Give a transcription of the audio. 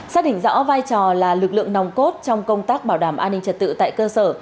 xác định rõ vai trò là lực lượng nòng cốt trong công tác bảo đảm an ninh trật tự tại cơ sở